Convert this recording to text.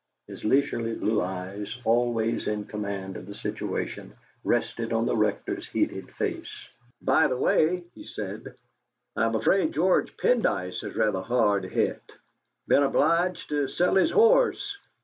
His leisurely blue eyes, always in command of the situation, rested on the Rector's heated face. "By the way," he said, "I'm afraid George Pendyce is rather hard hit. Been obliged to sell his horse.